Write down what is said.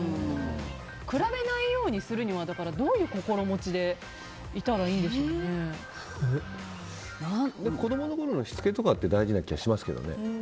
比べないようにするにはどういう心持ちでいたら子供のころのしつけとかが大事な気がしますけどね。